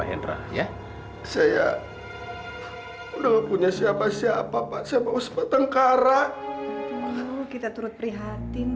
endra ya saya udah punya siapa siapa pak sebab sempat tengkarak kita turut prihatin